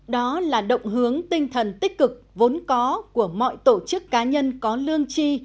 đó là động hướng tinh thần tích cực vốn có của mọi tổ chức cá nhân có lương chi